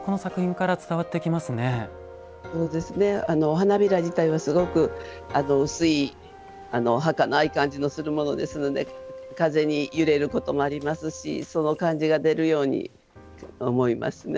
花びら自体はすごく薄いはかない感じのするものですので風に揺れることもありますしその感じが出るようにと思いますね。